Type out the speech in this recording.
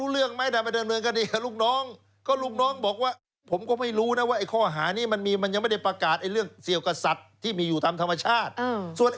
เรื่องของพาตราชมาญชาทารุณกรรมสัตว์